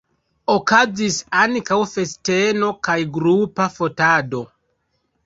Okazis ankaŭ festeno kaj grupa fotado.